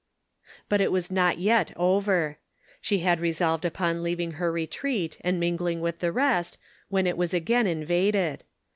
But it was not yet over. She had just re solved upon leaving her retreat and mingling with the rest when it was again invaded.